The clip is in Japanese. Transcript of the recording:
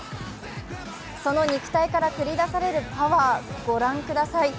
その肉体から繰り出されるパワー、ご覧ください。